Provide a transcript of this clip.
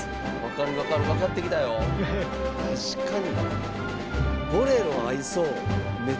確かに！